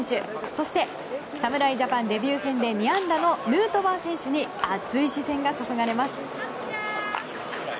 そして、侍ジャパンデビュー戦で２安打のヌートバー選手に熱い視線が注がれます。